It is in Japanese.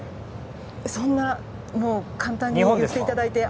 そんな簡単に言っていただいて。